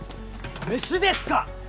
飯ですか